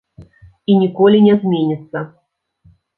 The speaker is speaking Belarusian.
І ніколі не зменіцца.